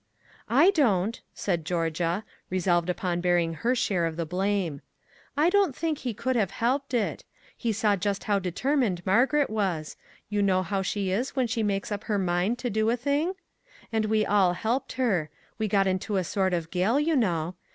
" I don't," said Georgia, resolved upon bear ing her share of the blame. " I don't think he could have helped it. He saw just how deter mined Margaret was you know how she is when she makes up her mind to do a thing? And we all helped her; we got into a sort of gale, you know.